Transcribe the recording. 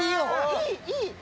いいいい！